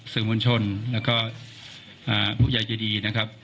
สื่อมวลชนแล้วก็ผู้ใหญ่ใจดีนะครับ